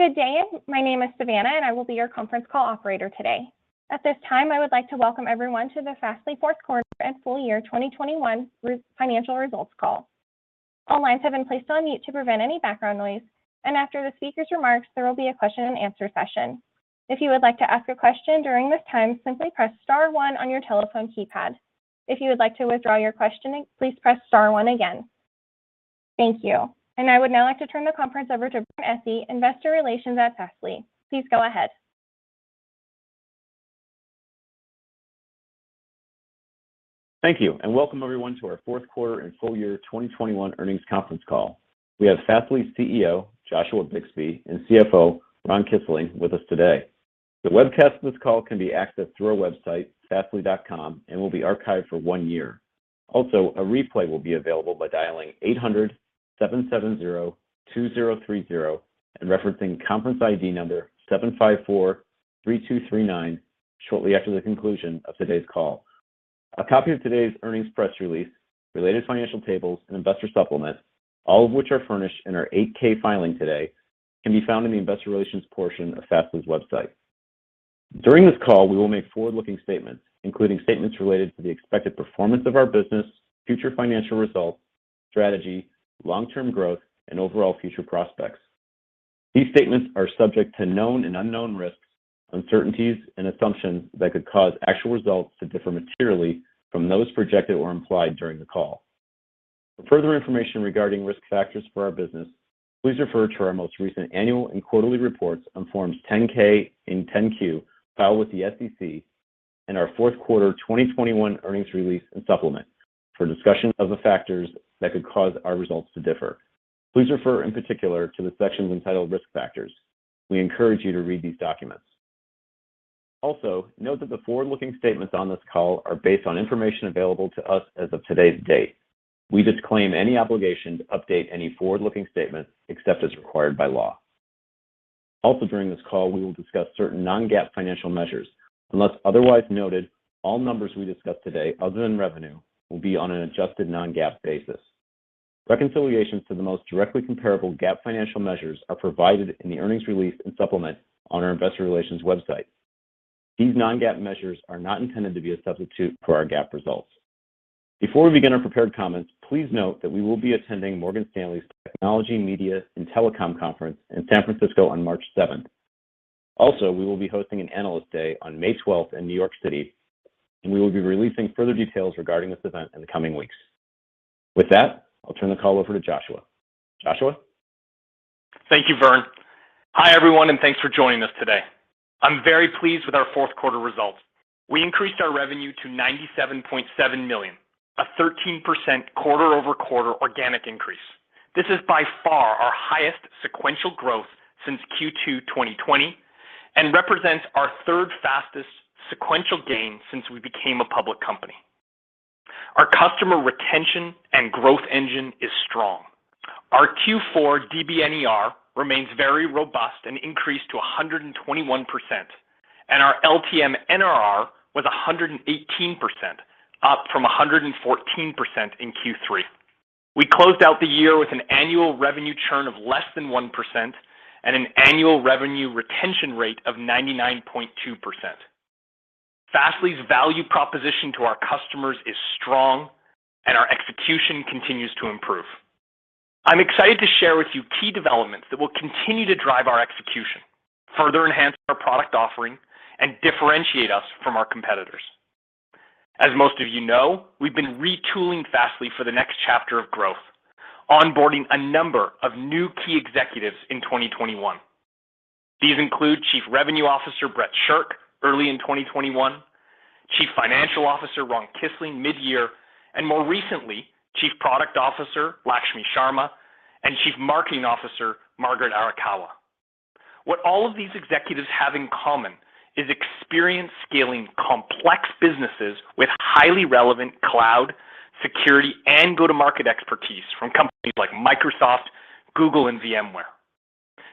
Good day. My name is Savannah, and I will be your conference call operator today. At this time, I would like to welcome everyone to the Fastly Fourth Quarter and Full-Year 2021 Financial Results Call. All lines have been placed on mute to prevent any background noise, and after the speaker's remarks, there will be a question and answer session. If you would like to ask a question during this time, simply press star one on your telephone keypad. If you would like to withdraw your questioning, please press star one again. Thank you. I would now like to turn the conference over to Vern Essi, Investor Relations at Fastly. Please go ahead. Thank you, and welcome everyone to our fourth quarter and full year 2021 earnings conference call. We have Fastly's CEO, Joshua Bixby, and CFO, Ron Kisling, with us today. The webcast of this call can be accessed through our website, fastly.com, and will be archived for one year. Also, a replay will be available by dialing 800-770-2030 and referencing conference ID number 7543239 shortly after the conclusion of today's call. A copy of today's earnings press release, related financial tables, and investor supplement, all of which are furnished in our 8-K filing today, can be found in the investor relations portion of Fastly's website. During this call, we will make forward-looking statements, including statements related to the expected performance of our business, future financial results, strategy, long-term growth, and overall future prospects. These statements are subject to known and unknown risks, uncertainties, and assumptions that could cause actual results to differ materially from those projected or implied during the call. For further information regarding risk factors for our business, please refer to our most recent annual and quarterly reports on Forms 10-K and 10-Q filed with the SEC and our fourth quarter 2021 earnings release and supplement for a discussion of the factors that could cause our results to differ. Please refer in particular to the sections entitled Risk Factors. We encourage you to read these documents. Also, note that the forward-looking statements on this call are based on information available to us as of today's date. We disclaim any obligation to update any forward-looking statements except as required by law. Also during this call, we will discuss certain non-GAAP financial measures. Unless otherwise noted, all numbers we discuss today other than revenue will be on an adjusted non-GAAP basis. Reconciliations to the most directly comparable GAAP financial measures are provided in the earnings release and supplement on our investor relations website. These non-GAAP measures are not intended to be a substitute for our GAAP results. Before we begin our prepared comments, please note that we will be attending Morgan Stanley's Technology, Media, and Telecom Conference in San Francisco on March seventh. Also, we will be hosting an Analyst Day on May twelfth in New York City, and we will be releasing further details regarding this event in the coming weeks. With that, I'll turn the call over to Joshua. Joshua? Thank you, Vern. Hi, everyone, and thanks for joining us today. I'm very pleased with our fourth quarter results. We increased our revenue to $97.7 million, a 13% quarter-over-quarter organic increase. This is by far our highest sequential growth since Q2 2020 and represents our third fastest sequential gain since we became a public company. Our customer retention and growth engine is strong. Our Q4 DBNER remains very robust and increased to 121%, and our LTM NRR was 118%, up from 114% in Q3. We closed out the year with an annual revenue churn of less than 1% and an annual revenue retention rate of 99.2%. Fastly's value proposition to our customers is strong and our execution continues to improve. I'm excited to share with you key developments that will continue to drive our execution, further enhance our product offering and differentiate us from our competitors. As most of you know, we've been retooling Fastly for the next chapter of growth, onboarding a number of new key executives in 2021. These include Chief Revenue Officer Brett Shirk early in 2021, Chief Financial Officer Ron Kisling mid-year, and more recently, Chief Product Officer Lakshmi Sharma, and Chief Marketing Officer Margaret Arakawa. What all of these executives have in common is experience scaling complex businesses with highly relevant cloud, security, and go-to-market expertise from companies like Microsoft, Google, and VMware.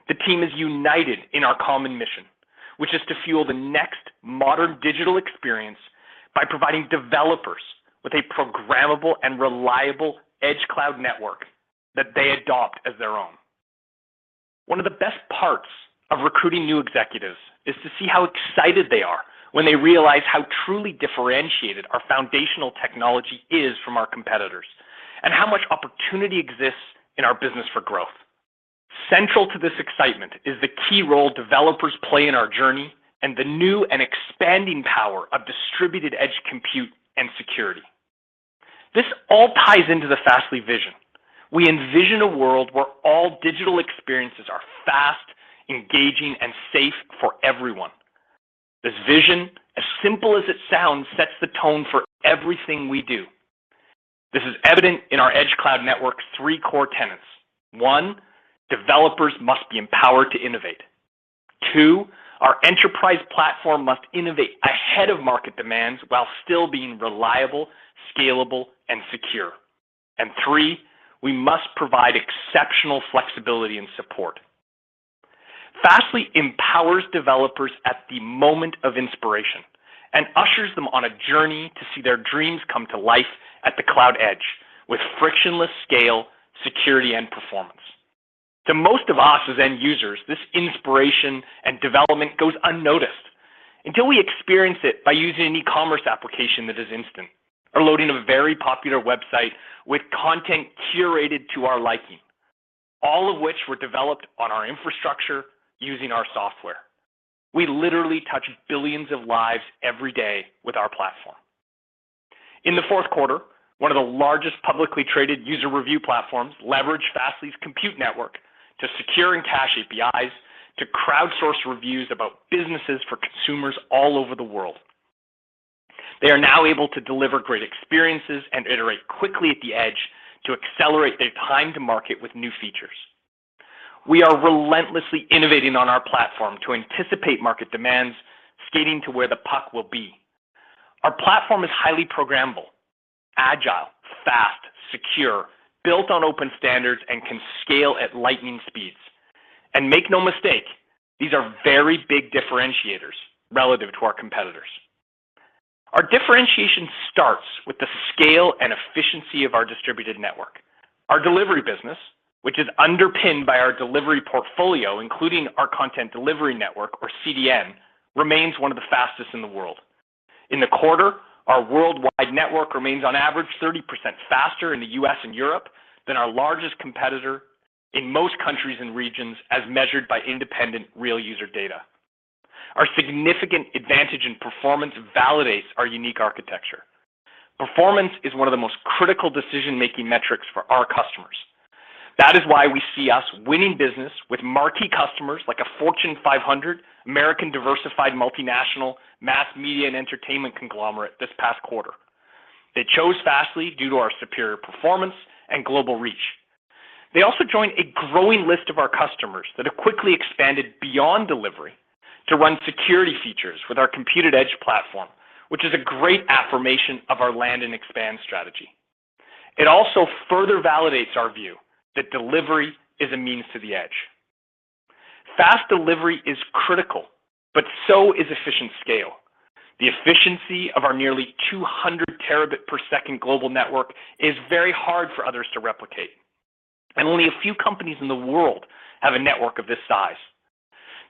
The team is united in our common mission, which is to fuel the next modern digital experience by providing developers with a programmable and reliable Edge Cloud network that they adopt as their own. One of the best parts of recruiting new executives is to see how excited they are when they realize how truly differentiated our foundational technology is from our competitors and how much opportunity exists in our business for growth. Central to this excitement is the key role developers play in our journey and the new and expanding power of distributed edge compute and security. This all ties into the Fastly vision. We envision a world where all digital experiences are fast, engaging, and safe for everyone. This vision, as simple as it sounds, sets the tone for everything we do. This is evident in our Edge Cloud network three core tenets. One, developers must be empowered to innovate. Two, our enterprise platform must innovate ahead of market demands while still being reliable, scalable, and secure. Three, we must provide exceptional flexibility and support. Fastly empowers developers at the moment of inspiration. Ushers them on a journey to see their dreams come to life at the cloud edge with frictionless scale, security, and performance. To most of us as end users, this inspiration and development goes unnoticed, until we experience it by using an e-commerce application that is instant or loading a very popular website with content curated to our liking. All of which were developed on our infrastructure using our software. We literally touch billions of lives every day with our platform. In the fourth quarter, one of the largest publicly traded user review platforms leveraged Fastly's compute network to secure and cache APIs to crowdsource reviews about businesses for consumers all over the world. They are now able to deliver great experiences and iterate quickly at the edge, to accelerate their time to market with new features. We are relentlessly innovating on our platform to anticipate market demands, skating to where the puck will be. Our platform is highly programmable, agile, fast, secure, built on open standards, and can scale at lightning speeds. Make no mistake, these are very big differentiators relative to our competitors. Our differentiation starts with the scale and efficiency of our distributed network. Our delivery business, which is underpinned by our delivery portfolio, including our content delivery network, or CDN, remains one of the fastest in the world. In the quarter, our worldwide network remains on average 30% faster in the U.S. and Europe, than our largest competitor in most countries and regions as measured by independent real user data. Our significant advantage in performance validates our unique architecture. Performance is one of the most critical decision-making metrics for our customers. That is why we see us winning business with marquee customers like a Fortune 500 American diversified multinational mass media and entertainment conglomerate this past quarter. They chose Fastly due to our superior performance and global reach. They also joined a growing list of our customers that have quickly expanded beyond delivery, to run security features with our Compute@Edge platform, which is a great affirmation of our land and expand strategy. It also further validates our view that delivery is a means to the edge. Fast delivery is critical, but so is efficient scale. The efficiency of our nearly 200 Tbps global network is very hard for others to replicate, and only a few companies in the world have a network of this size.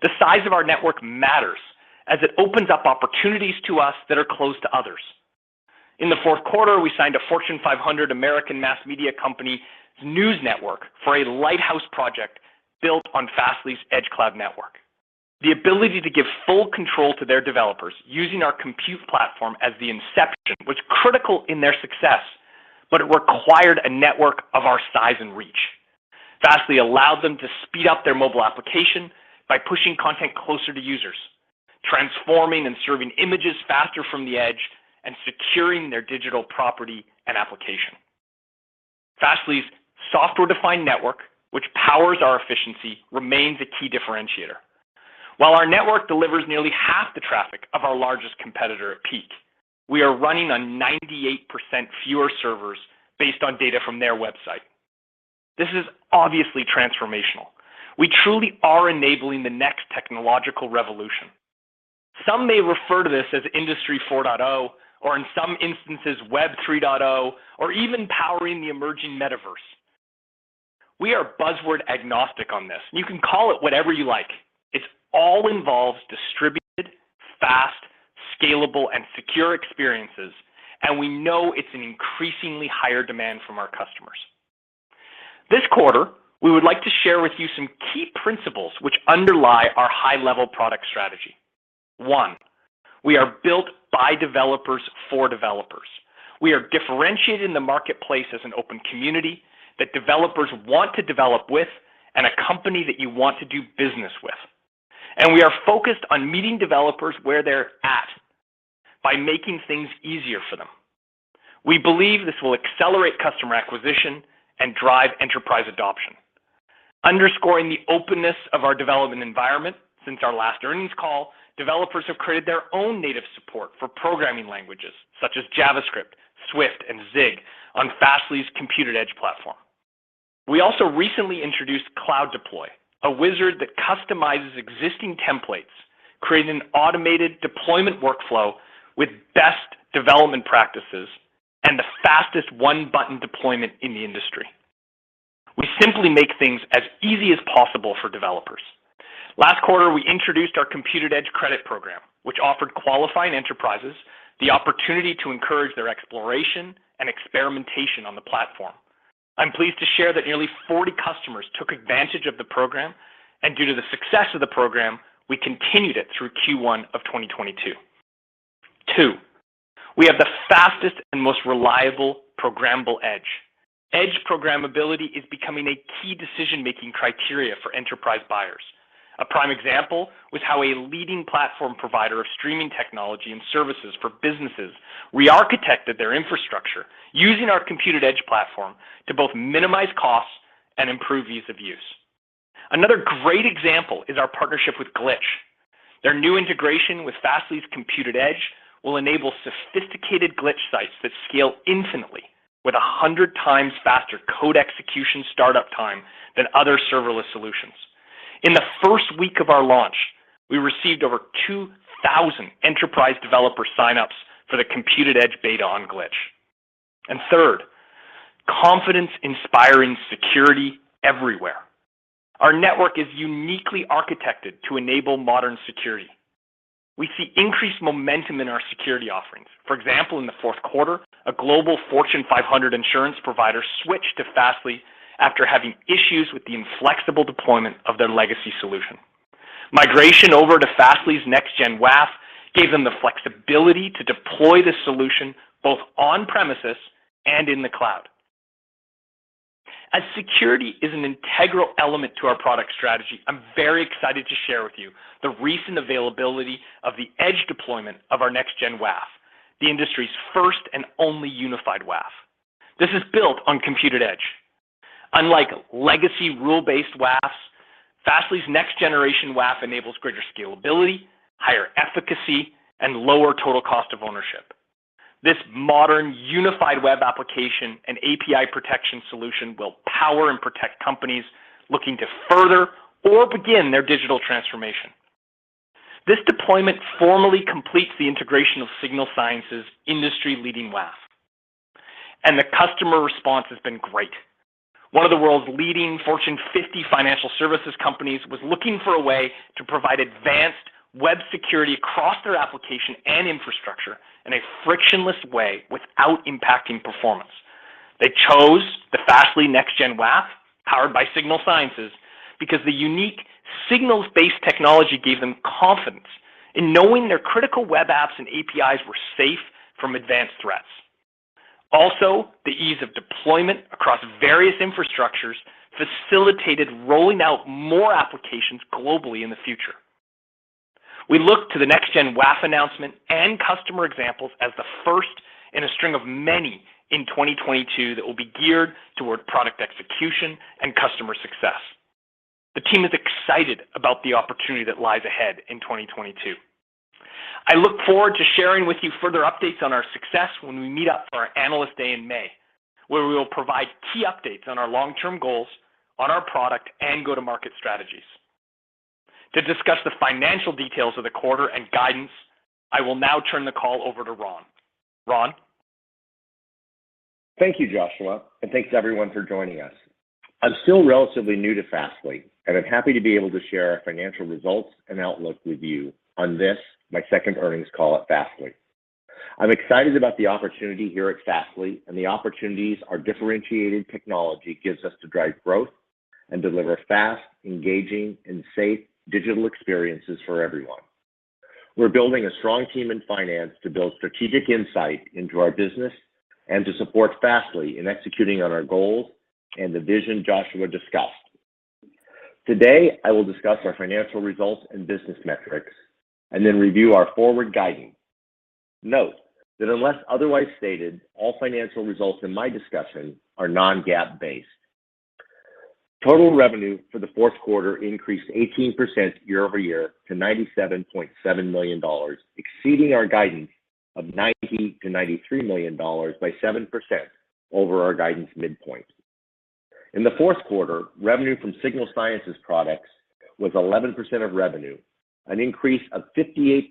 The size of our network matters as it opens up opportunities to us that are closed to others. In the fourth quarter, we signed a Fortune 500 American mass media company news network for a lighthouse project built on Fastly's Edge Cloud network. The ability to give full control to their developers using our compute platform as the inception was critical in their success, but it required a network of our size and reach. Fastly allowed them to speed up their mobile application by pushing content closer to users, transforming and serving images faster from the edge, and securing their digital property and application. Fastly's software-defined network, which powers our efficiency, remains a key differentiator. While our network delivers nearly half the traffic of our largest competitor at peak, we are running on 98% fewer servers based on data from their website. This is obviously transformational. We truly are enabling the next technological revolution. Some may refer to this as Industry 4.0, or in some instances, Web 3.0, or even powering the emerging metaverse. We are buzzword agnostic on this. You can call it whatever you like. It all involves distributed, fast, scalable, and secure experiences, and we know it's in increasingly higher demand from our customers. This quarter, we would like to share with you some key principles which underlie our high-level product strategy. One, we are built by developers for developers. We are differentiated in the marketplace as an open community that developers want to develop with, and a company that you want to do business with. We are focused on meeting developers where they're at by making things easier for them. We believe this will accelerate customer acquisition and drive enterprise adoption. Underscoring the openness of our development environment since our last earnings call, developers have created their own native support for programming languages such as JavaScript, Swift, and Zig on Fastly's Compute@Edge platform. We also recently introduced Cloud Deploy, a wizard that customizes existing templates, creating an automated deployment workflow with best development practices and the fastest one-button deployment in the industry. We simply make things as easy as possible for developers. Last quarter, we introduced our Compute@Edge credit program, which offered qualifying enterprises the opportunity to encourage their exploration and experimentation on the platform. I'm pleased to share that nearly 40 customers took advantage of the program, and due to the success of the program, we continued it through Q1 of 2022. Two, we have the fastest and most reliable programmable edge. Edge programmability is becoming a key decision-making criteria for enterprise buyers. A prime example was how a leading platform provider of streaming technology and services for businesses re-architected their infrastructure using our Compute@Edge platform to both minimize costs and improve ease of use. Another great example is our partnership with Glitch. Their new integration with Fastly's Compute@Edge will enable sophisticated Glitch sites that scale infinitely with 100x faster code execution startup time than other serverless solutions. In the first week of our launch, we received over 2,000 enterprise developer signups for the Compute@Edge beta on Glitch. Third, confidence-inspiring security everywhere. Our network is uniquely architected to enable modern security. We see increased momentum in our security offerings. For example, in the fourth quarter, a global Fortune 500 insurance provider switched to Fastly after having issues with the inflexible deployment of their legacy solution. Migration over to Fastly's Next-Gen WAF gave them the flexibility to deploy the solution both on-premises and in the cloud. As security is an integral element to our product strategy, I'm very excited to share with you the recent availability of the edge deployment of our Next-Gen WAF, the industry's first and only unified WAF. This is built on Compute@Edge. Unlike legacy rule-based WAFs, Fastly's next-generation WAF enables greater scalability, higher efficacy, and lower total cost of ownership. This modern unified web application and API protection solution will power and protect companies looking to further or begin their digital transformation. This deployment formally completes the integration of Signal Sciences' industry-leading WAF, and the customer response has been great. One of the world's leading Fortune 50 financial services companies was looking for a way to provide advanced web security across their application and infrastructure in a frictionless way without impacting performance. They chose the Fastly Next-Gen WAF powered by Signal Sciences because the unique signals-based technology gave them confidence in knowing their critical web apps and APIs were safe from advanced threats. Also, the ease of deployment across various infrastructures facilitated rolling out more applications globally in the future. We look to the Next-Gen WAF announcement and customer examples as the first in a string of many in 2022 that will be geared toward product execution and customer success. The team is excited about the opportunity that lies ahead in 2022. I look forward to sharing with you further updates on our success when we meet up for our Analyst Day in May, where we will provide key updates on our long-term goals on our product and go-to-market strategies. To discuss the financial details of the quarter and guidance, I will now turn the call over to Ron. Thank you, Joshua, and thanks everyone for joining us. I'm still relatively new to Fastly, and I'm happy to be able to share our financial results and outlook with you on this, my second earnings call at Fastly. I'm excited about the opportunity here at Fastly, and the opportunities our differentiated technology gives us to drive growth and deliver fast, engaging, and safe digital experiences for everyone. We're building a strong team in finance to build strategic insight into our business, and to support Fastly in executing on our goals and the vision Joshua discussed. Today, I will discuss our financial results and business metrics, and then review our forward guidance. Note that unless otherwise stated, all financial results in my discussion are non-GAAP based. Total revenue for the fourth quarter increased 18% year-over-year to $97.7 million, exceeding our guidance of $90 million-$93 million by 7% over our guidance midpoint. In the fourth quarter, revenue from Signal Sciences products was 11% of revenue, an increase of 58%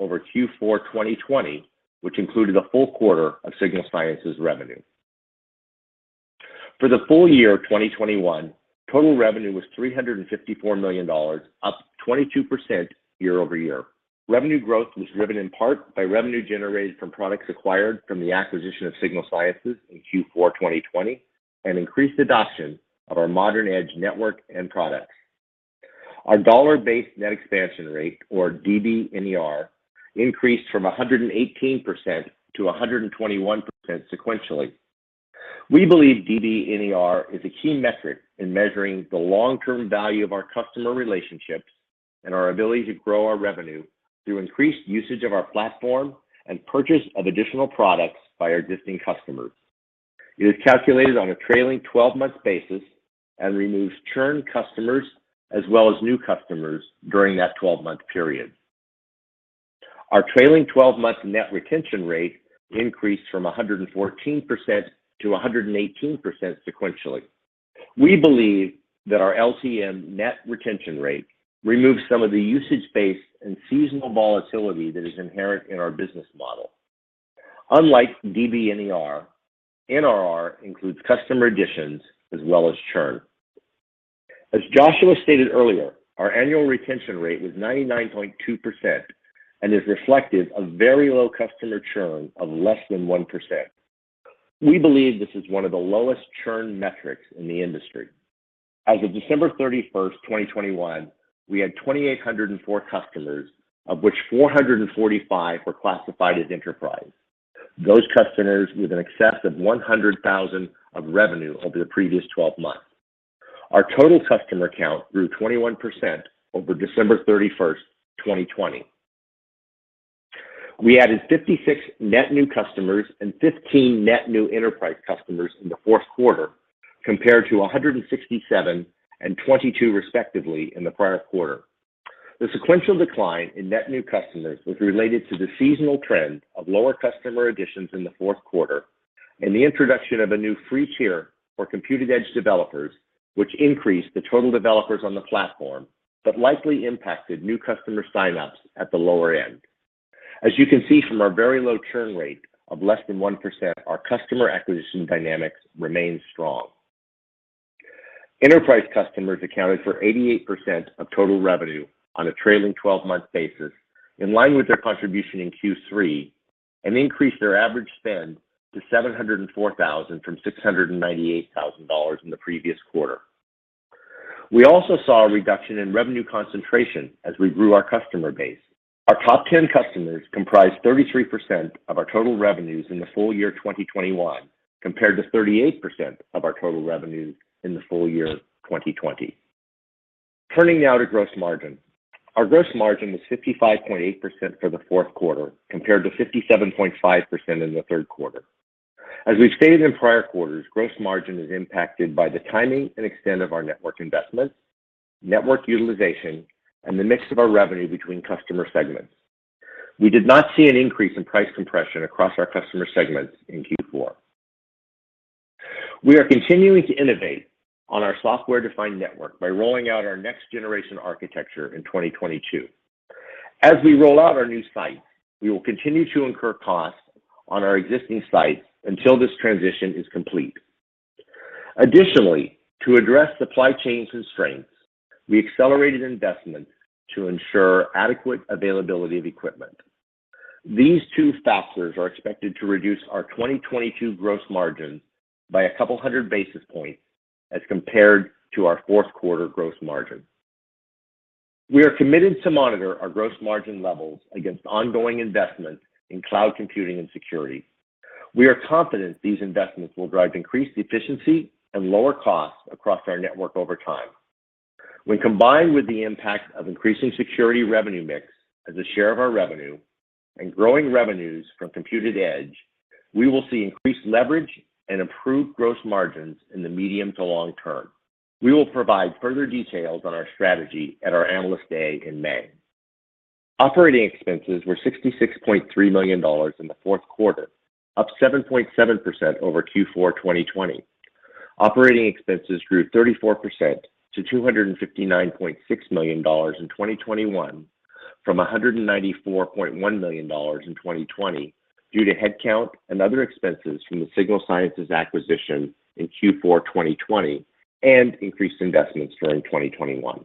over Q4 2020, which included a full-quarter of Signal Sciences revenue. For the full-year of 2021, total revenue was $354 million, up 22% year-over-year. Revenue growth was driven in part by revenue generated from products acquired from the acquisition of Signal Sciences in Q4 2020, and increased adoption of our modern edge network and products. Our dollar-based net expansion rate or DBNER increased from 118%-121% sequentially. We believe DBNER is a key metric in measuring the long-term value of our customer relationships, and our ability to grow our revenue through increased usage of our platform and purchase of additional products by our existing customers. It is calculated on a trailing 12-month basis, and removes churned customers as well as new customers during that 12-month period. Our trailing 12-month net retention rate increased from 114%-118% sequentially. We believe that our LTM net retention rate removes some of the usage-based, and seasonal volatility that is inherent in our business model. Unlike DBNER, NRR includes customer additions as well as churn. As Joshua stated earlier, our annual retention rate was 99.2% and is reflective of very low customer churn of less than 1%. We believe this is one of the lowest churn metrics in the industry. As of December 31st, 2021, we had 2,804 customers, of which 445 were classified as enterprise, those customers with an excess of $100,000 of revenue over the previous 12 months. Our total customer count grew 21% over December 31st, 2020. We added 56 net new customers and 15 net new enterprise customers in the fourth quarter, compared to 167 and 22 respectively in the prior quarter. The sequential decline in net new customers was related to the seasonal trend of lower customer additions in the fourth quarter, and the introduction of a new free tier for Compute@Edge developers, which increased the total developers on the platform, but likely impacted new customer sign-ups at the lower end. As you can see from our very low churn rate of less than 1%, our customer acquisition dynamics remain strong. Enterprise customers accounted for 88% of total revenue on a trailing 12-month basis, in line with their contribution in Q3, and increased their average spend to $704,000 from $698,000 in the previous quarter. We also saw a reduction in revenue concentration as we grew our customer base. Our top ten customers comprised 33% of our total revenues in the full-year 2021, compared to 38% of our total revenues in the full-year 2020. Turning now to gross margin. Our gross margin was 55.8% for the fourth quarter, compared to 57.5% in the third quarter. As we've stated in prior quarters, gross margin is impacted by the timing and extent of our network investments, network utilization, and the mix of our revenue between customer segments. We did not see an increase in price compression across our customer segments in Q4. We are continuing to innovate on our software-defined network by rolling out our next generation architecture in 2022. As we roll out our new site, we will continue to incur costs on our existing sites until this transition is complete. Additionally, to address supply chain constraints, we accelerated investment to ensure adequate availability of equipment. These two factors are expected to reduce our 2022 gross margins, by a couple hundred basis points as compared to our fourth quarter gross margin. We are committed to monitor our gross margin levels against ongoing investment in cloud computing and security. We are confident these investments will drive increased efficiency, and lower costs across our network over time. When combined with the impact of increasing security revenue mix as a share of our revenue and growing revenues from Compute Edge, we will see increased leverage and improved gross margins in the medium to long term. We will provide further details on our strategy at our Analyst Day in May. Operating expenses were $66.3 million in the fourth quarter, up 7.7% over Q4 2020. Operating expenses grew 34% to $259.6 million in 2021 from $194.1 million in 2020, due to headcount and other expenses from the Signal Sciences acquisition in Q4 2020 and increased investments during 2021.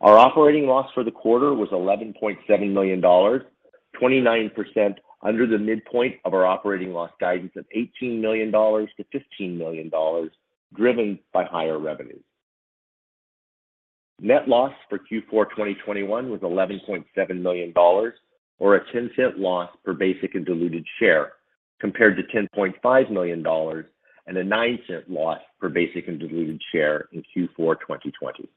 Our operating loss for the quarter was $11.7 million, 29% under the midpoint of our operating loss guidance of $18 million-$15 million, driven by higher revenues. Net loss for Q4 2021 was $11.7 million, or a $0.10 loss per basic and diluted share, compared to $10.5 million and a $0.09 loss per basic and diluted share in Q4 2020.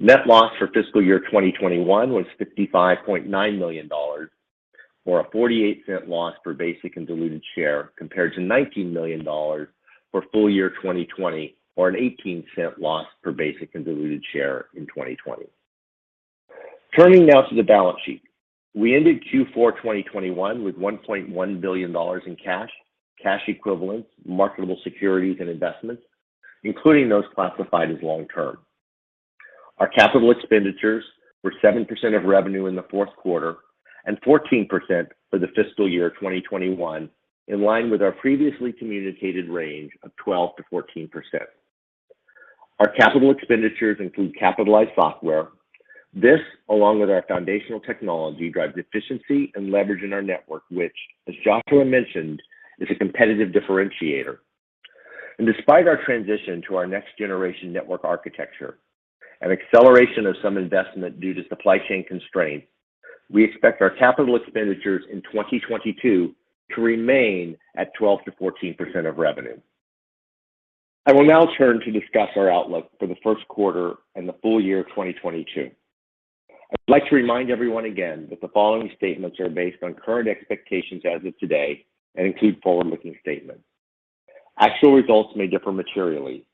Net loss for fiscal year 2021 was $55.9 million, or a $0.48 loss per basic and diluted share, compared to $19 million for full-year 2020 or a $0.18 loss per basic and diluted share in 2020. Turning now to the balance sheet. We ended Q4 2021 with $1.1 billion in cash equivalents, marketable securities and investments, including those classified as long term. Our capital expenditures were 7% of revenue in the fourth quarter and 14% for the fiscal year 2021, in line with our previously communicated range of 12%-14%. Our capital expenditures include capitalized software. This, along with our foundational technology, drives efficiency and leverage in our network, which, as Joshua mentioned, is a competitive differentiator. Despite our transition to our next generation network architecture, and acceleration of some investment due to supply chain constraints, we expect our capital expenditures in 2022 to remain at 12%-14% of revenue. I will now turn to discuss our outlook for the first quarter and the full-year of 2022. I'd like to remind everyone again that the following statements are based on current expectations as of today and include forward-looking statements. Actual results may differ materially.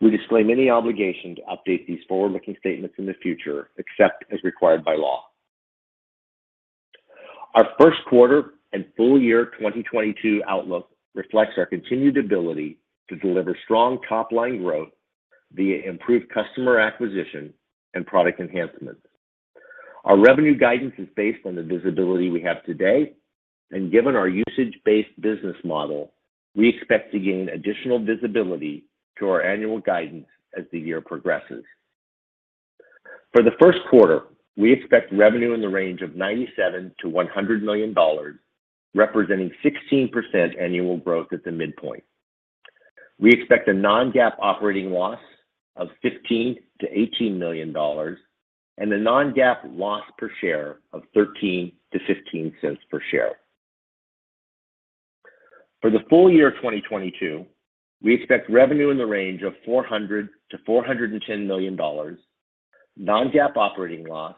We disclaim any obligation to update these forward-looking statements in the future, except as required by law. Our first quarter and full-year 2022 outlook reflects our continued ability to deliver strong top-line growth via improved customer acquisition and product enhancements. Our revenue guidance is based on the visibility we have today, and given our usage-based business model, we expect to gain additional visibility to our annual guidance as the year progresses. For the first quarter, we expect revenue in the range of $97 million-$100 million, representing 16% annual growth at the midpoint. We expect a non-GAAP operating loss of $15 million-$18 million, and a non-GAAP loss per share of $0.13-$0.15 per share. For the full-year 2022, we expect revenue in the range of $400 million-$410 million, non-GAAP operating loss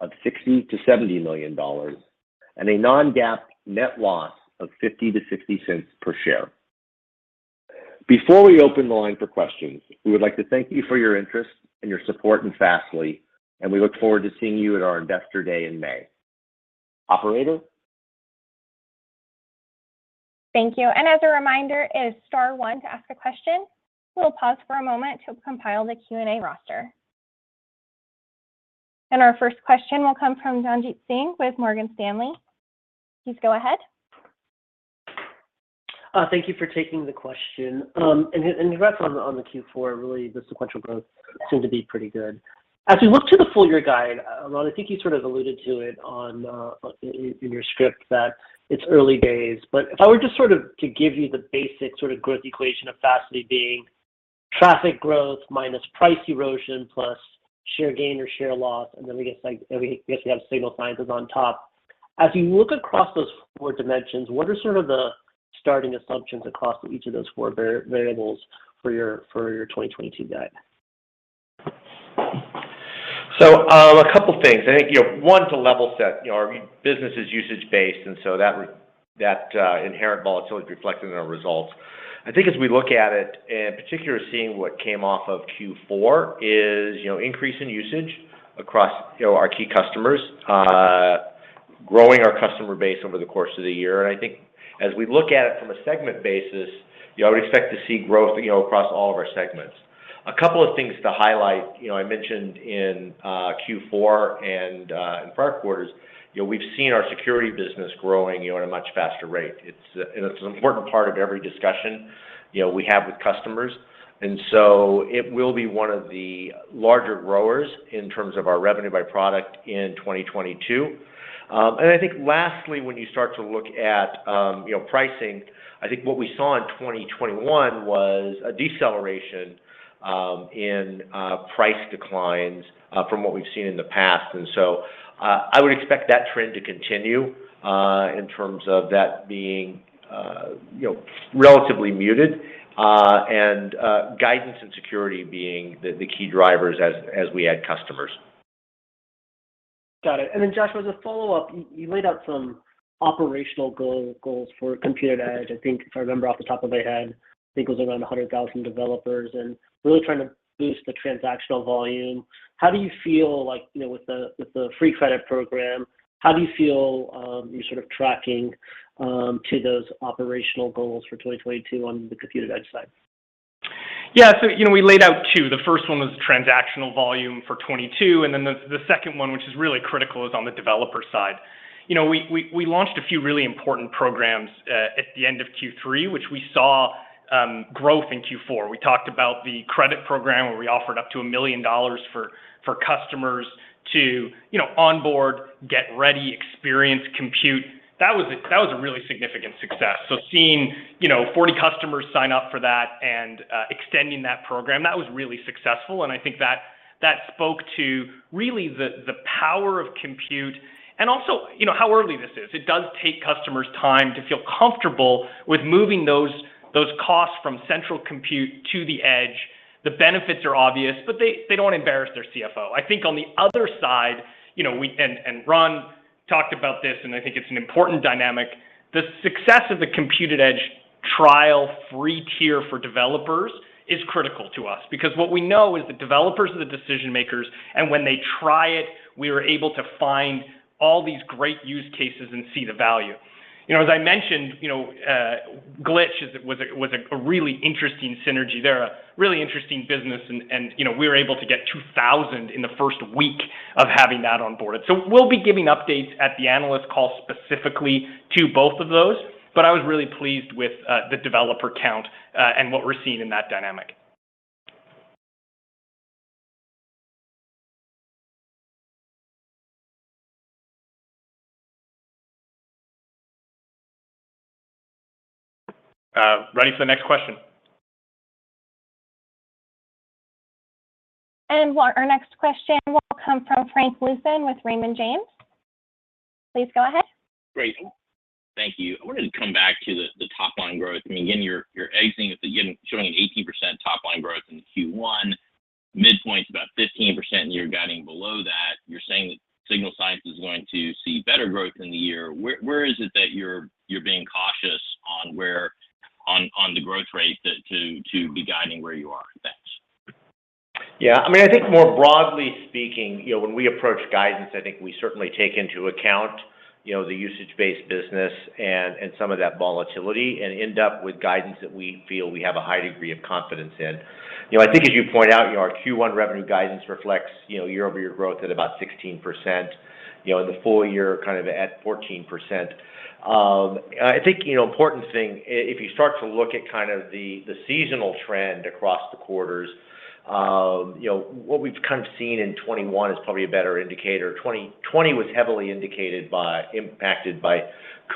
of $60 million-$70 million, and a non-GAAP net loss of $0.50-$0.60 per share. Before we open the line for questions, we would like to thank you for your interest and your support in Fastly, and we look forward to seeing you at our Investor Day in May. Operator? Thank you. As a reminder, it is star one to ask a question. We'll pause for a moment to compile the Q&A roster. Our first question will come from Sanjit Singh with Morgan Stanley. Please go ahead. Thank you for taking the question. Congrats on the Q4. Really, the sequential growth seemed to be pretty good. As we look to the full-year guide, Ron, I think you sort of alluded to it in your script that it's early days. If I were just sort of to give you the basic sort of growth equation of Fastly being traffic growth minus price erosion, plus share gain or share loss, and then we get like, and we obviously have Signal Sciences on top. As you look across those four dimensions, what are sort of the starting assumptions across each of those four variables for your 2022 guide? A couple things. I think, you know, one, to level set, you know, our business is usage-based, and so that that inherent volatility is reflected in our results. I think as we look at it, in particular seeing what came off of Q4 is, you know, increase in usage across, you know, our key customers, growing our customer base over the course of the year. I think as we look at it from a segment basis, you know, I would expect to see growth, you know, across all of our segments. A couple of things to highlight. You know, I mentioned in Q4 and in prior quarters, you know, we've seen our security business growing, you know, at a much faster rate. And it's an important part of every discussion, you know, we have with customers. It will be one of the larger growers in terms of our revenue by product in 2022. I think lastly, when you start to look at, you know, pricing, I think what we saw in 2021 was a deceleration in price declines from what we've seen in the past. I would expect that trend to continue in terms of that being, you know, relatively muted, and guidance and security being the key drivers as we add customers. Got it. Joshua, as a follow-up, you laid out some operational goals for Compute@Edge. I think if I remember off the top of my head, I think it was around 100,000 developers and really trying to boost the transactional volume. How do you feel like, you know, with the free credit program, how do you feel you're sort of tracking to those operational goals for 2022 on the Compute@Edge side? Yeah. You know, we laid out two. The first one was transactional volume for 2022, and then the second one, which is really critical, is on the developer side. You know, we launched a few really important programs at the end of Q3, which we saw growth in Q4. We talked about the credit program where we offered up to $1 million for customers to, you know, onboard, get ready, experience Compute. That was a really significant success. Seeing, you know, 40 customers sign up for that and extending that program, that was really successful. I think that spoke to really the power of Compute, and also, you know, how early this is. It does take customers time to feel comfortable with moving those costs from central compute to the edge. The benefits are obvious, but they don't want to embarrass their CFO. I think on the other side, you know, we and Ron talked about this, and I think it's an important dynamic. The success of the Compute@Edge trial free tier for developers is critical to us because what we know is the developers are the decision-makers, and when they try it, we are able to find all these great use cases and see the value. You know, as I mentioned, you know, Glitch is a was a really interesting synergy. They're a really interesting business and, you know, we were able to get 2,000 in the first week of having that onboarded. We'll be giving updates at the analyst call specifically to both of those. I was really pleased with the developer count and what we're seeing in that dynamic. Ready for the next question. Our next question will come from Frank Louthan with Raymond James. Please go ahead. Great. Thank you. I wanted to come back to the top line growth. I mean, again, you're exiting at the showing an 18% top line growth in Q1. Midpoint's about 15%, and you're guiding below that. You're saying that Signal Sciences is going to see better growth in the year. Where is it that you're being cautious on where on the growth rate to be guiding where you are? Thanks. Yeah. I mean, I think more broadly speaking, you know, when we approach guidance, I think we certainly take into account, you know, the usage-based business and some of that volatility, and end up with guidance that we feel we have a high degree of confidence in. You know, I think as you point out, you know, our Q1 revenue guidance reflects, you know, year-over-year growth at about 16%. You know, the full-year kind of at 14%. I think, you know, important thing, if you start to look at kind of the seasonal trend across the quarters, you know, what we've kind of seen in 2021 is probably a better indicator. 2020 was heavily impacted by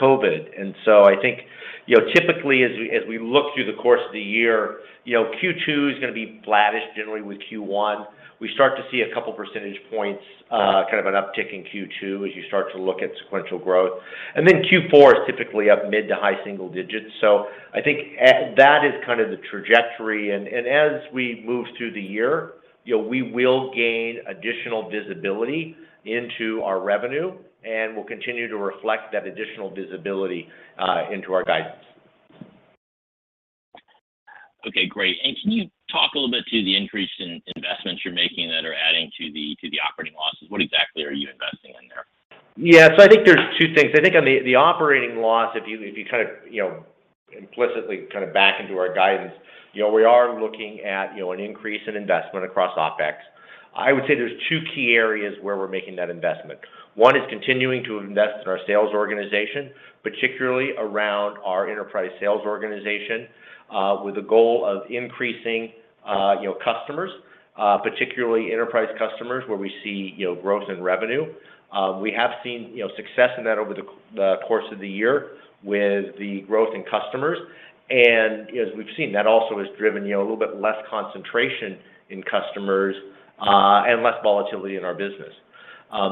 COVID. I think, you know, typically as we look through the course of the year, you know, Q2 is gonna be flattish generally with Q1. We start to see a couple percentage points, kind of an uptick in Q2 as you start to look at sequential growth. Q4 is typically up mid to high single digits. I think that is kind of the trajectory and as we move through the year, you know, we will gain additional visibility into our revenue, and we'll continue to reflect that additional visibility into our guidance. Okay, great. Can you talk a little bit to the increase in investments you're making that are adding to the operating losses? What exactly are you investing in there? Yeah. I think there's two things. I think on the operating loss, if you kind of, you know, implicitly kind of back into our guidance, you know, we are looking at, you know, an increase in investment across OpEx. I would say there's two key areas where we're making that investment. One is continuing to invest in our sales organization, particularly around our enterprise sales organization, with the goal of increasing, you know, customers, particularly enterprise customers where we see, you know, growth in revenue. We have seen, you know, success in that over the course of the year with the growth in customers. That also has driven, you know, a little bit less concentration in customers, and less volatility in our business.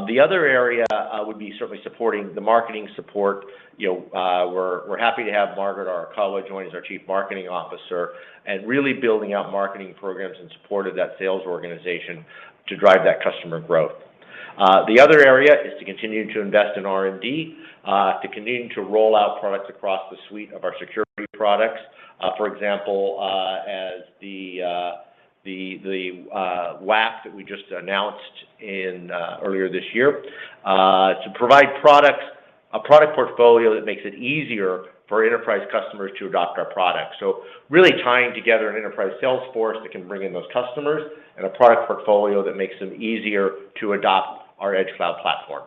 The other area would be certainly supporting the marketing support. You know, we're happy to have Margaret Arakawa join as our Chief Marketing Officer, and really building out marketing programs in support of that sales organization to drive that customer growth. The other area is to continue to invest in R&D to continuing to roll out products across the suite of our security products. For example, as the WAF that we just announced earlier this year to provide products, a product portfolio that makes it easier for enterprise customers to adopt our products. Really tying together an enterprise sales force that can bring in those customers and a product portfolio that makes them easier to adopt our Edge Cloud platform.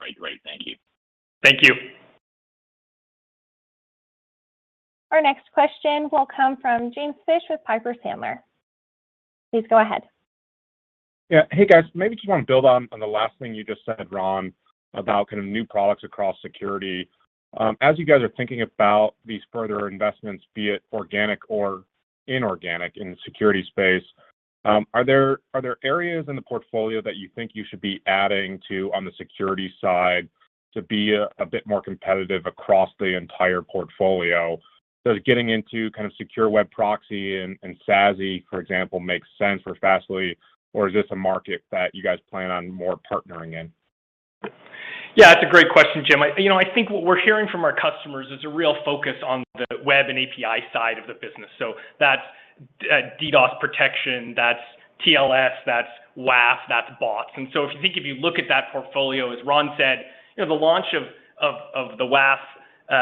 Right. Great. Thank you. Thank you. Our next question will come from James Fish with Piper Sandler. Please go ahead. Yeah. Hey, guys. Maybe just want to build on the last thing you just said, Ron, about kind of new products across security. As you guys are thinking about these further investments, be it organic or inorganic in the security space, are there areas in the portfolio that you think you should be adding to on the security side to be a bit more competitive across the entire portfolio? Does getting into kind of secure web proxy and SASE, for example, make sense for Fastly, or is this a market that you guys plan on more partnering in? Yeah, it's a great question, Jim. You know, I think what we're hearing from our customers is a real focus on the web and API side of the business. That's DDoS protection, that's TLS, that's WAF, that's bots. If you think, if you look at that portfolio, as Ron said, you know, the launch of the WAF,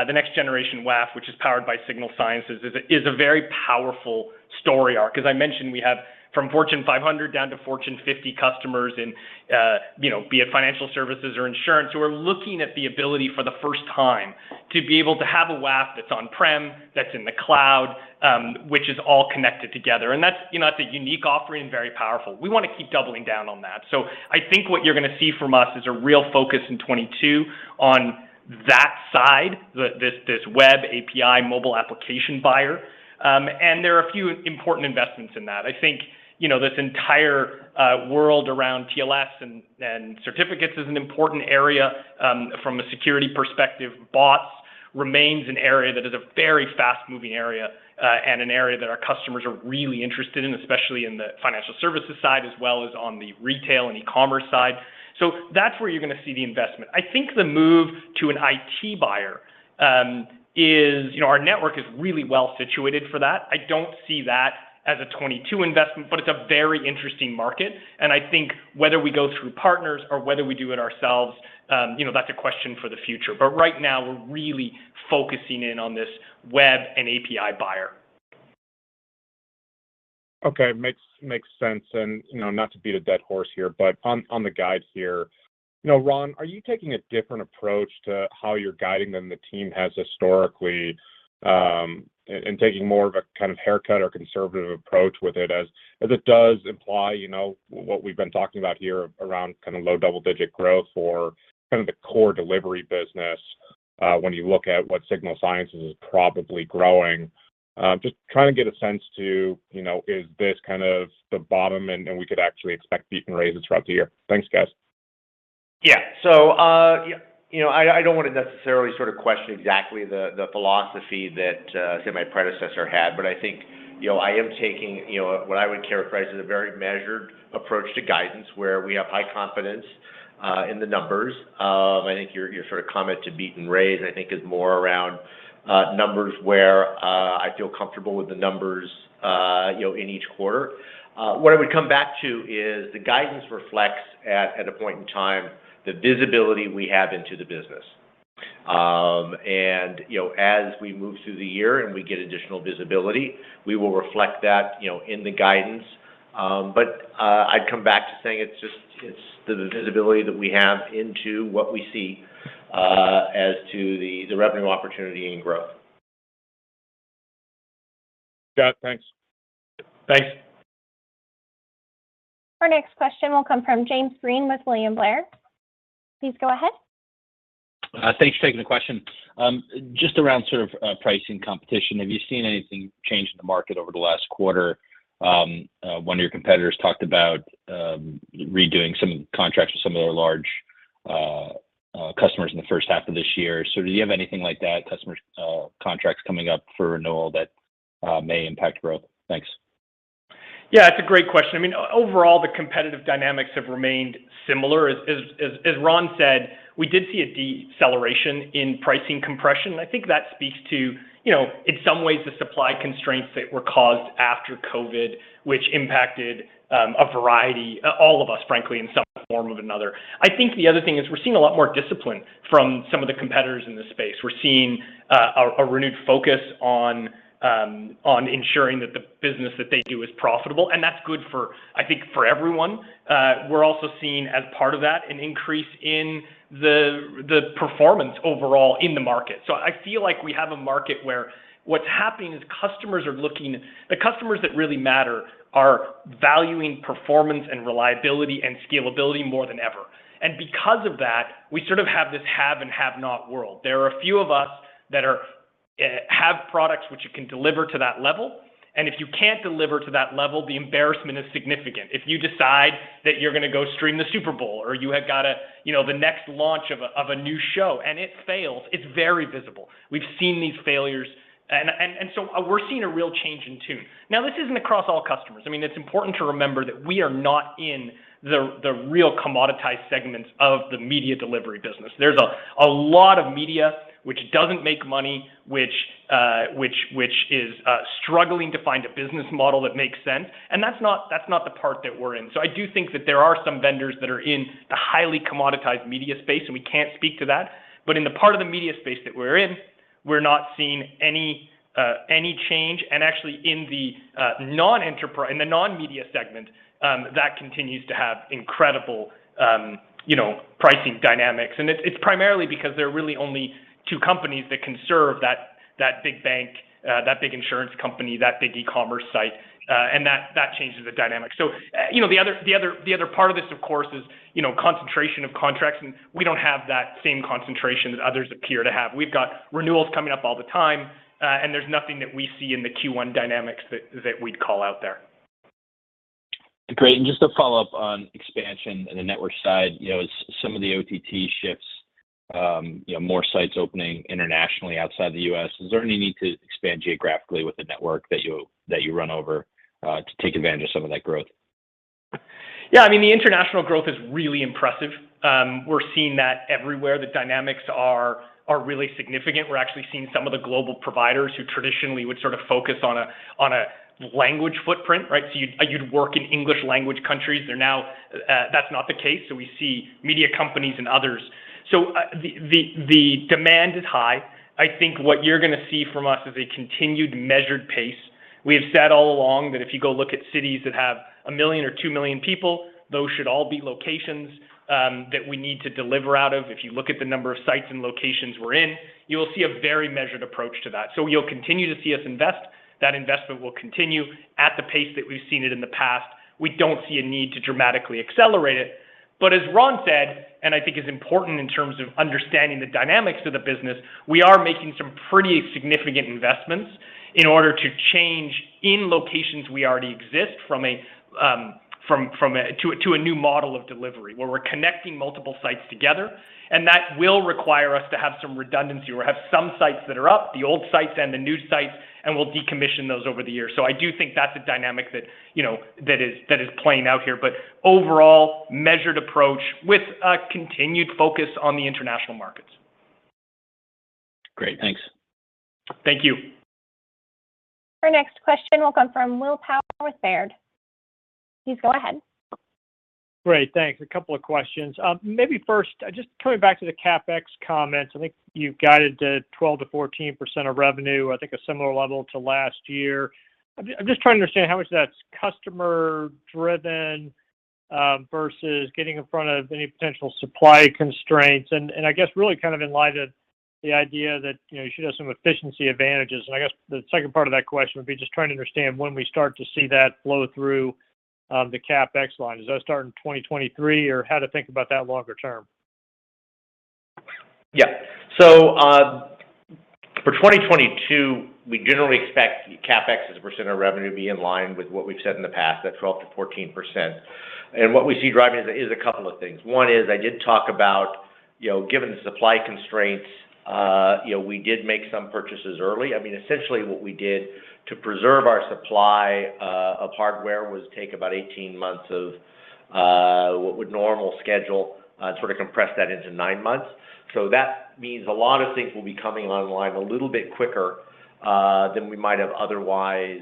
the Next-Gen WAF, which is powered by Signal Sciences, is a very powerful story arc. As I mentioned, we have from Fortune 500 down to Fortune 50 customers and, you know, be it financial services or insurance, who are looking at the ability for the first time to be able to have a WAF that's on-prem, that's in the cloud, which is all connected together. That's a unique offering, very powerful. We wanna keep doubling down on that. I think what you're gonna see from us is a real focus in 2022 on that side, this web API mobile application buyer. There are a few important investments in that. I think, you know, this entire world around TLS and certificates is an important area from a security perspective. Bots remains an area that is a very fast-moving area, and an area that our customers are really interested in, especially in the financial services side as well as on the retail and e-commerce side. That's where you're gonna see the investment. I think the move to an IT buyer is. You know, our network is really well situated for that. I don't see that as a 2022 investment, but it's a very interesting market. I think whether we go through partners or whether we do it ourselves, you know, that's a question for the future. Right now we're really focusing in on this web and API buyer. Okay. Makes sense. You know, not to beat a dead horse here, but on the guides here, you know, Ron, are you taking a different approach to how you're guiding than the team has historically, and taking more of a kind of haircut or conservative approach with it as it does imply, you know, what we've been talking about here around kind of low double-digit growth for kind of the core delivery business when you look at what Signal Sciences is probably growing. Just trying to get a sense as to, you know, is this kind of the bottom and we could actually expect beat and raises throughout the year. Thanks, guys. Yeah. You know, I don't want to necessarily sort of question exactly the philosophy that, say my predecessor had, but I think, you know, I am taking, you know, what I would characterize as a very measured approach to guidance where we have high confidence in the numbers. I think your sort of comment to beat and raise, I think is more around numbers where I feel comfortable with the numbers, you know, in each quarter. What I would come back to is the guidance reflects at a point in time the visibility we have into the business. You know, as we move through the year and we get additional visibility, we will reflect that, you know, in the guidance. I'd come back to saying it's just the visibility that we have into what we see as to the revenue opportunity and growth. Got it. Thanks. Thanks. Our next question will come from James Breen with William Blair. Please go ahead. Thanks for taking the question. Just around sort of pricing competition, have you seen anything change in the market over the last quarter? One of your competitors talked about redoing some contracts with some of their large customers in the first half of this year. Do you have anything like that, customer contracts coming up for renewal that may impact growth? Thanks. Yeah, it's a great question. I mean, overall, the competitive dynamics have remained similar. As Ron said, we did see a deceleration in pricing compression. I think that speaks to, you know, in some ways the supply constraints that were caused after COVID, which impacted all of us, frankly, in some form or another. I think the other thing is we're seeing a lot more discipline from some of the competitors in this space. We're seeing a renewed focus on ensuring that the business that they do is profitable, and that's good for, I think, everyone. We're also seeing as part of that an increase in the performance overall in the market. I feel like we have a market where what's happening is customers are looking—the customers that really matter are valuing performance, and reliability and scalability more than ever. Because of that, we sort of have this haves and have-nots world. There are a few of us that have products which you can deliver to that level, and if you can't deliver to that level, the embarrassment is significant. If you decide that you're gonna go stream the Super Bowl or you have got a, you know, the next launch of a new show and it fails, it's very visible. We've seen these failures, and so we're seeing a real change in tune. Now, this isn't across all customers. I mean, it's important to remember that we are not in the real commoditized segments of the media delivery business. There's a lot of media which doesn't make money, which is struggling to find a business model that makes sense, and that's not the part that we're in. I do think that there are some vendors that are in the highly commoditized media space, and we can't speak to that. In the part of the media space that we're in, we're not seeing any change. Actually in the non-media segment, that continues to have incredible you know, pricing dynamics. It's primarily because there are really only two companies that can serve that big bank, that big insurance company, that big e-commerce site, and that changes the dynamic. You know, the other part of this, of course, is you know, concentration of contracts, and we don't have that same concentration that others appear to have. We've got renewals coming up all the time, and there's nothing that we see in the Q1 dynamics that we'd call out there. Great. Just to follow up on expansion in the network side, you know, as some of the OTT shifts, you know, more sites opening internationally outside the U.S., is there any need to expand geographically with the network that you run over to take advantage of some of that growth? Yeah. I mean, the international growth is really impressive. We're seeing that everywhere. The dynamics are really significant. We're actually seeing some of the global providers who traditionally would sort of focus on a language footprint, right? You'd work in English language countries. They're now, that's not the case. We see media companies and others. The demand is high. I think what you're gonna see from us is a continued measured pace. We have said all along that if you go look at cities that have 1 million or 2 million people, those should all be locations that we need to deliver out of. If you look at the number of sites and locations we're in, you will see a very measured approach to that. You'll continue to see us invest. That investment will continue at the pace that we've seen it in the past. We don't see a need to dramatically accelerate it. As Ron said, and I think is important in terms of understanding the dynamics of the business, we are making some pretty significant investments in order to change the locations we already exist in from a to a new model of delivery where we're connecting multiple sites together, and that will require us to have some redundancy. We'll have some sites that are up, the old sites and the new sites, and we'll decommission those over the years. I do think that's a dynamic that, you know, that is playing out here. Overall, measured approach with a continued focus on the international markets. Great. Thanks. Thank you. Our next question will come from William Power with Baird. Please go ahead. Great. Thanks. A couple of questions. Maybe first, just coming back to the CapEx comments. I think you've guided to 12%-14% of revenue, I think a similar level to last year. I'm just trying to understand how much of that's customer driven versus getting in front of any potential supply constraints? I guess really kind of in light of the idea that, you know, you should have some efficiency advantages. I guess the second part of that question would be just trying to understand when we start to see that flow through the CapEx line. Does that start in 2023, or how to think about that longer term? Yeah. For 2022, we generally expect CapEx as a percent of revenue to be in line with what we've said in the past, that 12%-14%. What we see driving it is a couple of things. One is I did talk about, you know, given the supply constraints, you know, we did make some purchases early. I mean, essentially what we did to preserve our supply of hardware was take about 18 months of what would normal schedule sort of compress that into nine months. That means a lot of things will be coming online a little bit quicker than we might have otherwise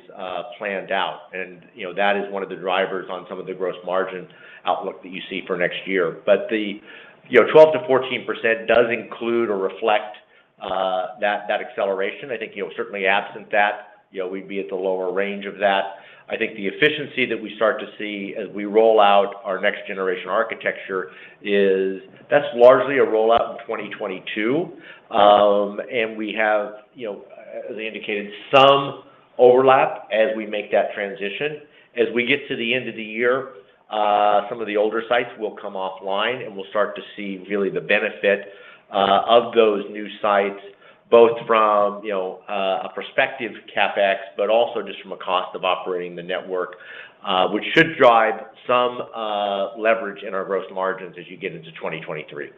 planned out. You know, that is one of the drivers on some of the gross margin outlook that you see for next year. The, you know, 12%-14% does include or reflect that acceleration. I think, you know, certainly absent that, you know, we'd be at the lower range of that. I think the efficiency that we start to see as we roll out our next generation architecture is, that's largely a rollout in 2022. And we have, you know, as I indicated, some overlap as we make that transition. As we get to the end of the year, some of the older sites will come offline, and we'll start to see really the benefit of those new sites, both from, you know, a prospective CapEx, but also just from a cost of operating the network, which should drive some leverage in our gross margins as you get into 2023.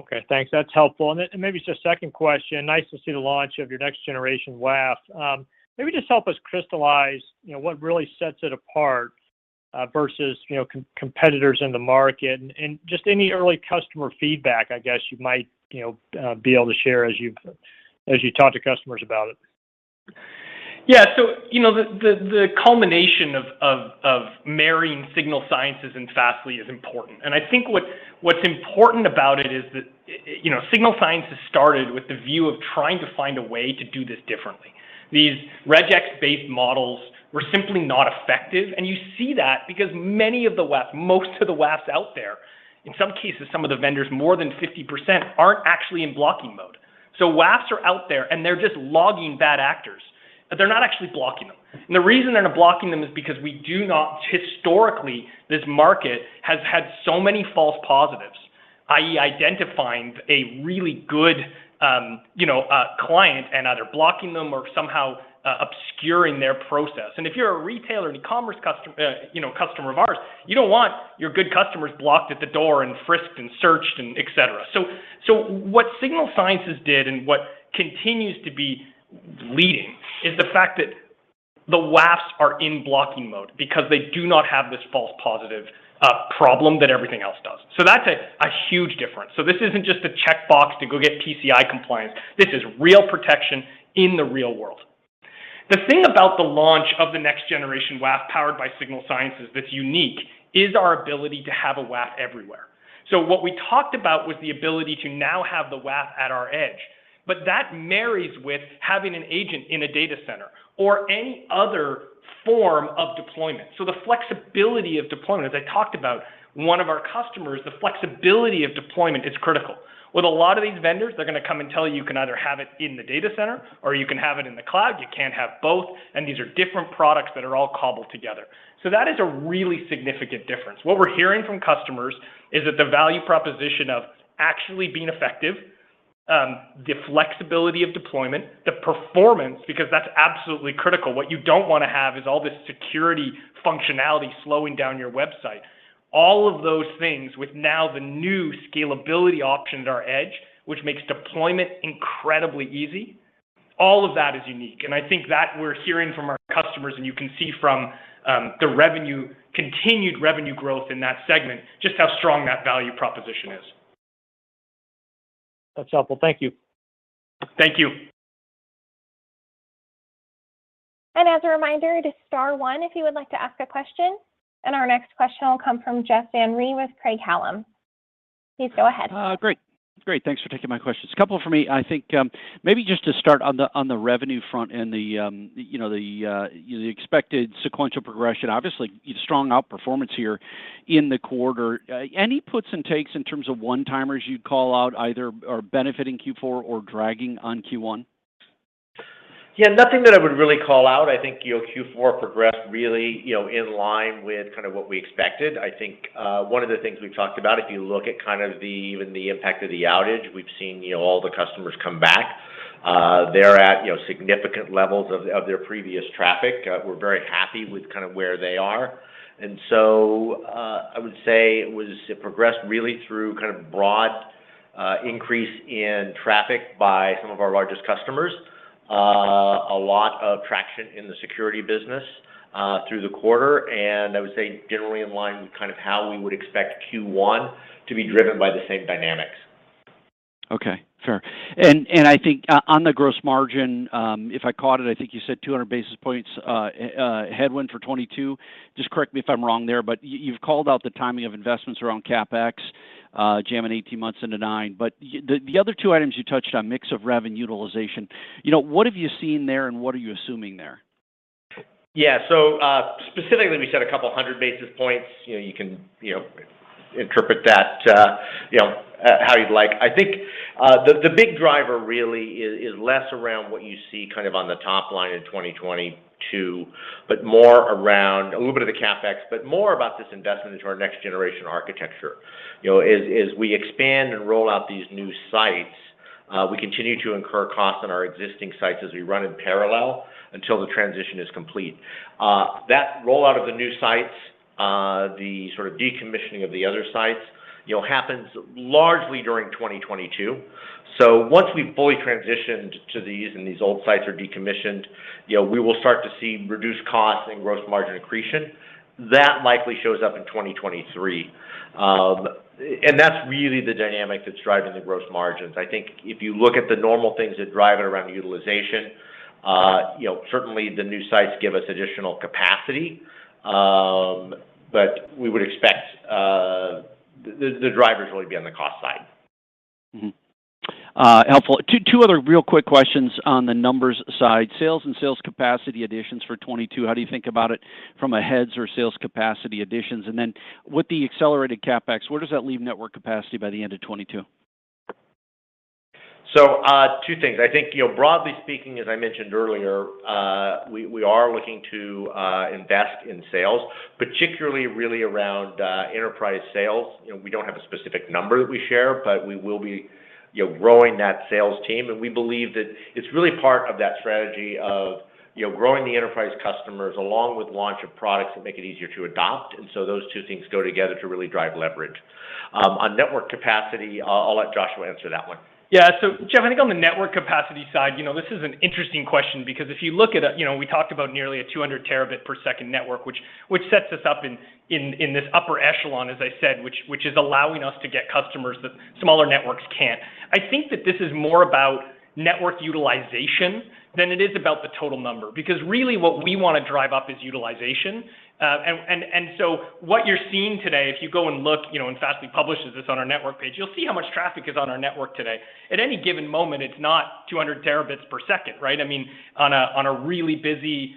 Okay, thanks. That's helpful. Maybe just a second question. Nice to see the launch of your Next-Gen WAF. Maybe just help us crystallize, you know, what really sets it apart, versus, you know, competitors in the market, and just any early customer feedback, I guess you might, you know, be able to share as you talk to customers about it. Yeah. You know, the culmination of marrying Signal Sciences and Fastly is important. I think what's important about it is that, you know, Signal Sciences started with the view of trying to find a way to do this differently. These regex-based models were simply not effective, and you see that because many of the WAFs, most of the WAFs out there, in some cases, some of the vendors, more than 50% aren't actually in blocking mode. WAFs are out there, and they're just logging bad actors, but they're not actually blocking them. The reason they're not blocking them is because historically, this market has had so many false positives, i.e., identifying a really good, you know, client and either blocking them or somehow obscuring their process. If you're a retailer and e-commerce customer, you know, customer of ours, you don't want your good customers blocked at the door and frisked and searched and et cetera. What Signal Sciences did and what continues to be leading is the fact that the WAFs are in blocking mode because they do not have this false positive problem that everything else does. That's a huge difference. This isn't just a checkbox to go get PCI compliance. This is real protection in the real world. The thing about the launch of the next generation WAF powered by Signal Sciences that's unique is our ability to have a WAF everywhere. What we talked about was the ability to now have the WAF at our edge. That marries with having an agent in a data center or any other form of deployment. The flexibility of deployment, as I talked about, one of our customers, the flexibility of deployment is critical. With a lot of these vendors, they're gonna come and tell you can either have it in the data center or you can have it in the cloud, you can't have both, and these are different products that are all cobbled together. That is a really significant difference. What we're hearing from customers is that the value proposition of actually being effective, the flexibility of deployment, the performance, because that's absolutely critical. What you don't wanna have is all this security functionality slowing down your website. All of those things with now the new scalability option at our edge, which makes deployment incredibly easy, all of that is unique. I think that we're hearing from our customers, and you can see from the continued revenue growth in that segment, just how strong that value proposition is. That's helpful. Thank you. Thank you. As a reminder, it is star one if you would like to ask a question. Our next question will come from Jeff Van Rhee with Craig-Hallum. Please go ahead. Great. Thanks for taking my questions. A couple for me. I think, maybe just to start on the revenue front and the expected sequential progression. Obviously, strong outperformance here in the quarter. Any puts and takes in terms of one-timers you'd call out either are benefiting Q4 or dragging on Q1? Yeah. Nothing that I would really call out. I think, you know, Q4 progressed really, you know, in line with kind of what we expected. I think, one of the things we've talked about, if you look at kind of even the impact of the outage, we've seen, you know, all the customers come back. They're at, you know, significant levels of their previous traffic. We're very happy with kind of where they are. I would say it progressed really through kind of broad increase in traffic by some of our largest customers. A lot of traction in the security business through the quarter, and I would say generally in line with kind of how we would expect Q1 to be driven by the same dynamics. Okay. Fair. I think on the gross margin, if I caught it, I think you said 200 basis points headwind for 2022. Just correct me if I'm wrong there, but you've called out the timing of investments around CapEx, jamming 18 months into nine. The other two items you touched on, mix of revenue, utilization. You know, what have you seen there, and what are you assuming there? Yeah. Specifically, we said 200 basis points. You know, you can, you know, interpret that, you know, how you'd like. I think, the big driver really is less around what you see kind of on the top line in 2022, but more around a little bit of the CapEx, but more about this investment into our next generation architecture. You know, as we expand and roll out these new sites, we continue to incur costs on our existing sites as we run in parallel until the transition is complete. That rollout of the new sites, the sort of decommissioning of the other sites, you know, happens largely during 2022. Once we've fully-transitioned to these and these old sites are decommissioned, you know, we will start to see reduced costs and gross margin accretion. That likely shows up in 2023. That's really the dynamic that's driving the gross margins. I think if you look at the normal things that drive it around utilization, you know, certainly the new sites give us additional capacity. We would expect the drivers really to be on the cost side. Helpful. Two other real quick questions on the numbers side. Sales and sales capacity additions for 2022. How do you think about it from a headcount or sales capacity additions? And then with the accelerated CapEx, where does that leave network capacity by the end of 2022? Two things. I think, you know, broadly speaking, as I mentioned earlier, we are looking to invest in sales, particularly really around enterprise sales. You know, we don't have a specific number that we share, but we will be. You're growing that sales team, and we believe that it's really part of that strategy of, you know, growing the enterprise customers along with launch of products that make it easier to adopt. Those two things go together to really drive leverage. On network capacity, I'll let Joshua answer that one. Yeah. Jeff, I think on the network capacity side, you know, this is an interesting question because if you look at, you know, we talked about nearly a 200Tbps network, which sets us up in this upper echelon, as I said, which is allowing us to get customers that smaller networks can't. I think that this is more about network utilization than it is about the total number, because really what we want to drive up is utilization. What you're seeing today, if you go and look, you know, and Fastly publishes this on our network page, you'll see how much traffic is on our network today. At any given moment, it's not 200Tbps, right? I mean, on a really busy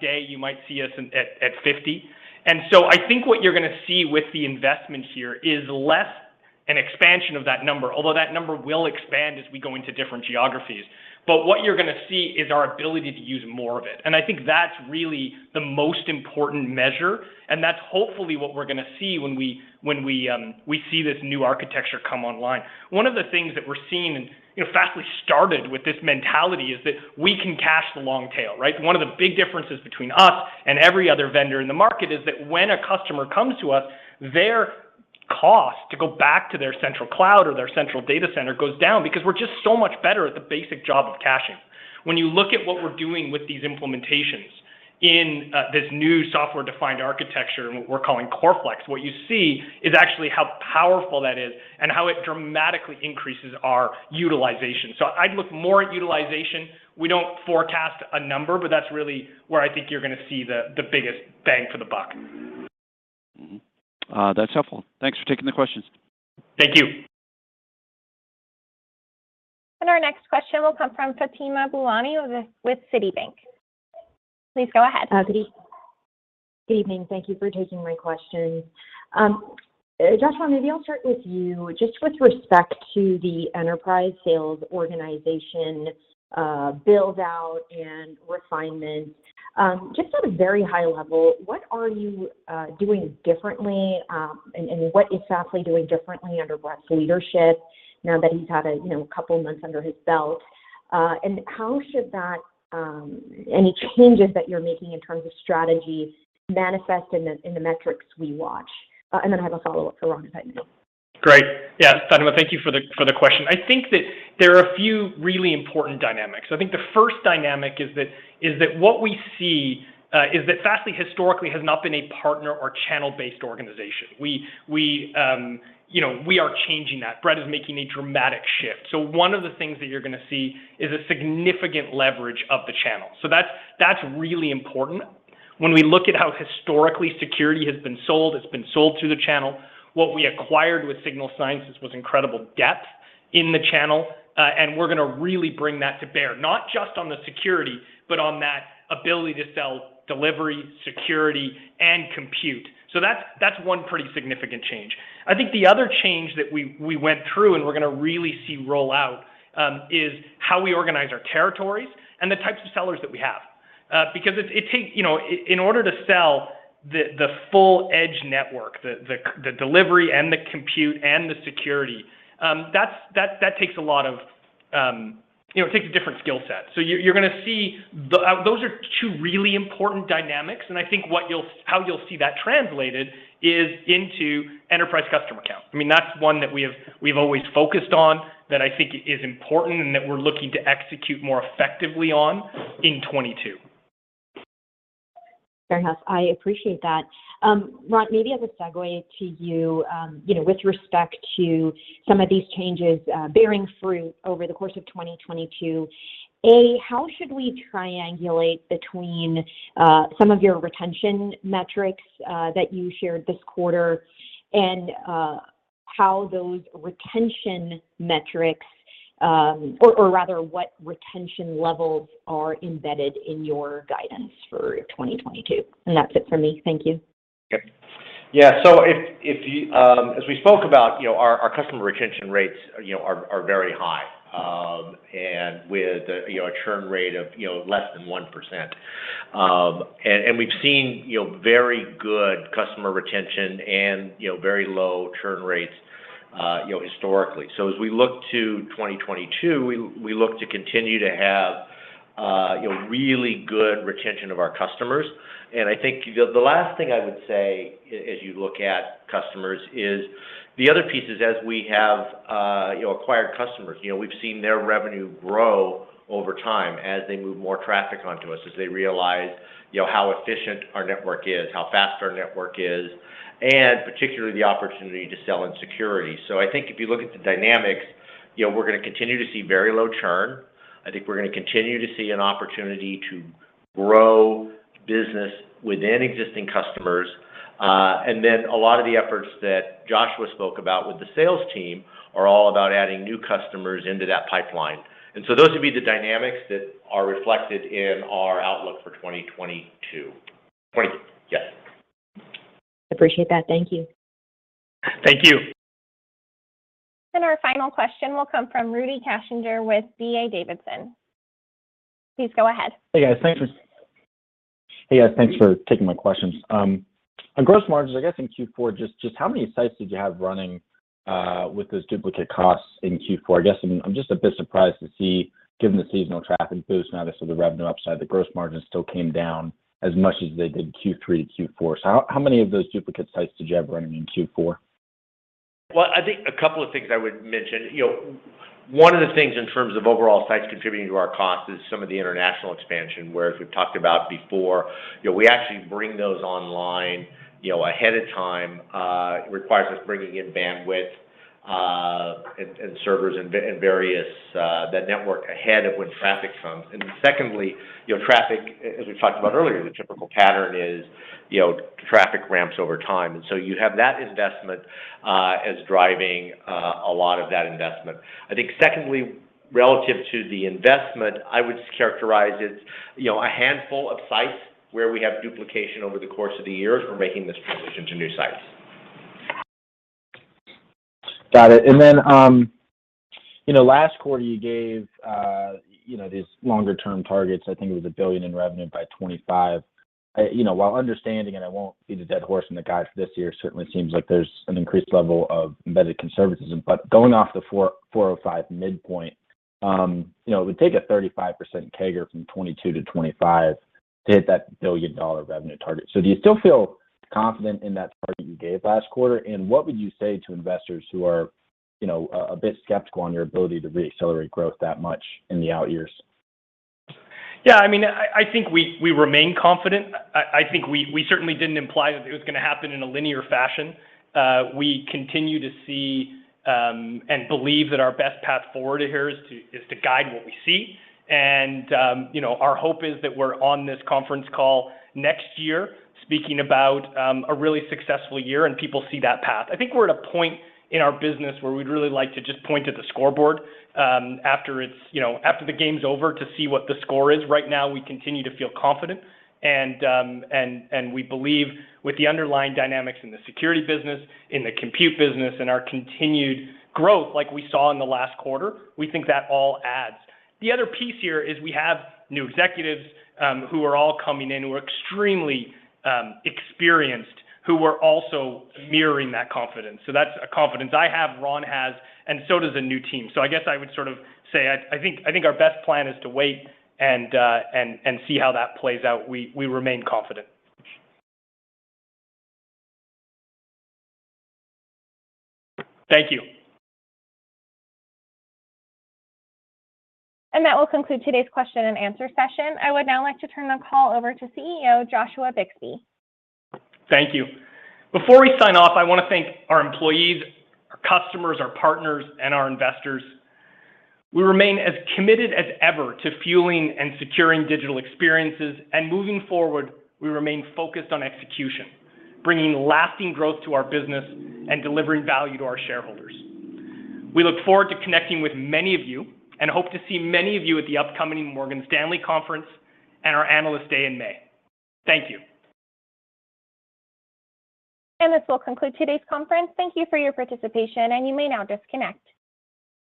day, you might see us at 50. I think what you're gonna see with the investment here is less an expansion of that number, although that number will expand as we go into different geographies. What you're gonna see is our ability to use more of it, and I think that's really the most important measure, and that's hopefully what we're gonna see when we see this new architecture come online. One of the things that we're seeing, you know, Fastly started with this mentality, is that we can cache the long tail, right? One of the big differences between us and every other vendor in the market is that when a customer comes to us, their cost to go back to their central cloud or their central data center goes down because we're just so much better at the basic job of caching. When you look at what we're doing with these implementations in this new software-defined architecture and what we're calling CoreFlex, what you see is actually how powerful that is and how it dramatically increases our utilization. I'd look more at utilization. We don't forecast a number, but that's really where I think you're gonna see the biggest bang for the buck. That's helpful. Thanks for taking the questions. Thank you. Our next question will come from Fatima Boolani with Citibank. Please go ahead. Good evening. Thank you for taking my questions. Joshua, maybe I'll start with you. Just with respect to the enterprise sales organization build-out and refinement, just at a very high level, what are you doing differently, and what is Fastly doing differently under Brett's leadership now that he's had a couple months under his belt? How should any changes that you're making in terms of strategies manifest in the metrics we watch? Then I have a follow-up for Ron if that's okay. Great. Yeah, Fatima, thank you for the question. I think that there are a few really important dynamics. I think the first dynamic is that what we see is that, Fastly historically has not been a partner or channel-based organization. You know, we are changing that. Brett is making a dramatic shift. One of the things that you're gonna see is a significant leverage of the channel. That's really important. When we look at how historically security has been sold, it's been sold through the channel. What we acquired with Signal Sciences was incredible depth in the channel, and we're gonna really bring that to bear, not just on the security, but on that ability to sell delivery, security, and compute. That's one pretty significant change. I think the other change that we went through and we're gonna really see roll out is how we organize our territories and the types of sellers that we have. Because it takes, you know, in order to sell the full-edge network, the delivery and the compute and the security, that takes a lot of, you know, it takes a different skill set. You're gonna see that those are two really important dynamics, and I think how you'll see that translated is into enterprise customer count. I mean, that's one that we've always focused on that I think is important and that we're looking to execute more effectively on in 2022. Fair enough. I appreciate that. Ron, maybe as a segue to you know, with respect to some of these changes, bearing fruit over the course of 2022, A, how should we triangulate between, some of your retention metrics, that you shared this quarter and, how those retention metrics, or rather what retention levels are embedded in your guidance for 2022? That's it for me. Thank you. Okay. Yeah. If you, as we spoke about, you know, our customer retention rates, you know, are very high, and with, you know, a churn rate of, you know, less than 1%. We've seen, you know, very good customer retention and, you know, very low churn rates, you know, historically. As we look to 2022, we look to continue to have, you know, really good retention of our customers. I think the last thing I would say as you look at customers is the other piece is as we have, you know, acquired customers, you know, we've seen their revenue grow over time as they move more traffic onto us, as they realize, you know, how efficient our network is, how fast our network is, and particularly the opportunity to sell in security. I think if you look at the dynamics, you know, we're gonna continue to see very low churn. I think we're gonna continue to see an opportunity to grow business within existing customers. Then a lot of the efforts that Joshua spoke about with the sales team are all about adding new customers into that pipeline. Those would be the dynamics that are reflected in our outlook for 2022. I appreciate that. Thank you. Thank you. Our final question will come from Rudy Kessinger with D.A. Davidson. Please go ahead. Hey, guys. Thanks for. Hey guys, thanks for taking my questions. On gross margins, I guess in Q4, just how many sites did you have running with those duplicate costs in Q4? I guess I'm just a bit surprised to see given the seasonal traffic boost and obviously the revenue upside, the gross margins still came down as much as they did in Q3 to Q4. How many of those duplicate sites did you have running in Q4? Well, I think a couple of things I would mention. You know, one of the things in terms of overall sites contributing to our cost is some of the international expansion, where, as we've talked about before, you know, we actually bring those online, you know, ahead of time. It requires us bringing in bandwidth, and servers and various the network ahead of when traffic comes. Then secondly, you know, traffic, as we talked about earlier, the typical pattern is, you know, traffic ramps over time. You have that investment that's driving a lot of that investment. I think secondly, relative to the investment, I would characterize it, you know, a handful of sites where we have duplication over the course of the year for making this transition to new sites. Got it. You know, last quarter you gave these longer term targets. I think it was $1 billion in revenue by 2025. You know, while understanding, and I won't beat a dead horse in the guide for this year, certainly seems like there's an increased level of embedded conservatism. Going off the $405 midpoint, you know, it would take a 35% CAGR from 2022 to 2025 to hit that billion-dollar revenue target. Do you still feel confident in that target you gave last quarter? What would you say to investors who are, you know, a bit skeptical on your ability to re-accelerate growth that much in the out years? Yeah, I mean, I think we remain confident. I think we certainly didn't imply that it was gonna happen in a linear fashion. We continue to see and believe that our best path forward here is to guide what we see. You know, our hope is that we're on this conference call next year speaking about a really successful year and people see that path. I think we're at a point in our business where we'd really like to just point to the scoreboard, after it's, you know, after the game's over to see what the score is. Right now we continue to feel confident and we believe with the underlying dynamics in the security business, in the compute business, and our continued growth like we saw in the last quarter, we think that all adds. The other piece here is we have new executives who are all coming in who are extremely experienced who are also mirroring that confidence. That's a confidence I have, Ron has, and so does the new team. I guess I would sort of say I think our best plan is to wait and see how that plays out. We remain confident. Thank you. That will conclude today's question and answer session. I would now like to turn the call over to CEO Joshua Bixby. Thank you. Before we sign off, I wanna thank our employees, our customers, our partners, and our investors. We remain as committed as ever to fueling and securing digital experiences, and moving forward we remain focused on execution, bringing lasting growth to our business and delivering value to our shareholders. We look forward to connecting with many of you, and hope to see many of you at the upcoming Morgan Stanley conference and our Analyst Day in May. Thank you. This will conclude today's conference. Thank you for your participation and you may now disconnect.